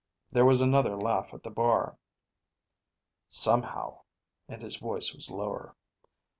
There was another laugh at the bar. "Somehow," and his voice was lower.